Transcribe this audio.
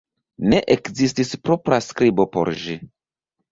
Ne ekzistis propra skribo por ĝi.